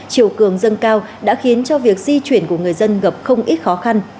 chiều cường dâng cao đã khiến cho việc di chuyển của người dân gặp không ít khó khăn